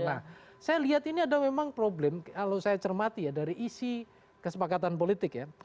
nah saya lihat ini ada memang problem kalau saya cermati ya dari isi kesepakatan politik ya